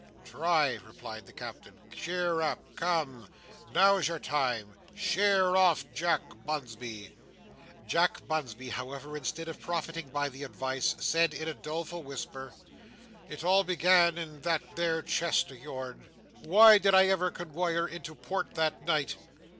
"Try!" replied the Captain. "Cheer up! Come! Now's your time. Sheer off, Jack Bunsby!" Jack Bunsby, however, instead of profiting by the advice, said in a doleful whisper: "It all began in that there chest o' yourn. Why did I ever conwoy her into port that night?"